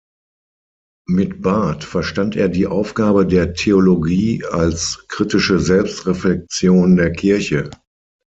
Mit Barth verstand er die Aufgabe der Theologie als kritische Selbstreflexion der Kirche.